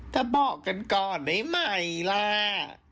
ถ้าบอกกันก่อนไหนใหม่ล่า